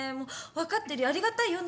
分かってるよありがたいよ